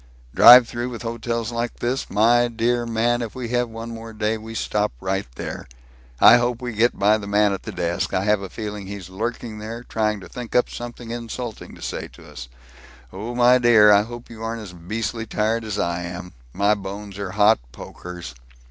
"Drive through with the hotels like this? My dear man, if we have one more such day, we stop right there. I hope we get by the man at the desk. I have a feeling he's lurking there, trying to think up something insulting to say to us. Oh, my dear, I hope you aren't as beastly tired as I am. My bones are hot pokers."